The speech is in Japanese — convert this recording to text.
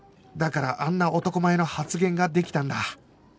だからあんな男前の発言ができたんだ